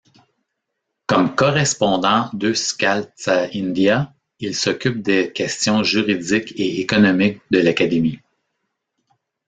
Comme correspondant d'Euskaltzaindia, il s'occupe des questions juridiques et économiques de l'Académie.